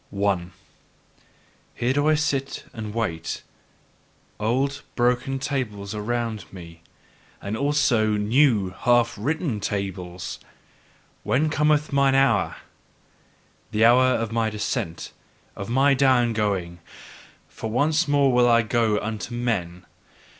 1. Here do I sit and wait, old broken tables around me and also new half written tables. When cometh mine hour? The hour of my descent, of my down going: for once more will I go unto men.